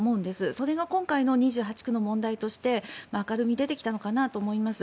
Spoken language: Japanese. それが今回の２８区の問題として明るみに出てきたのかなと思います。